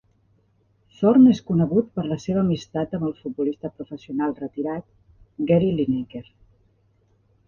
Thorne és conegut per la seva amistat amb el futbolista professional retirat Gary Lineker.